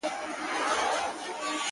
تک سپين کالي کړيدي!!